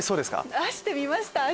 出してみました脚。